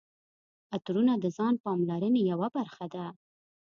عطرونه د ځان پاملرنې یوه برخه ده.